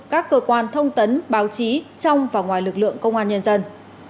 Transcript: các cơ quan thông tấn báo chí trong và ngoài lực lượng công an nhân dân